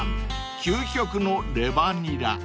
［究極のレバにら］